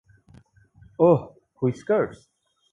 ওহ, হুইস্কারস।